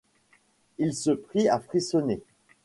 Il se prit à frissonner.